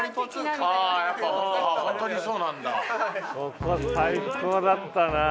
ここ最高だったなぁ。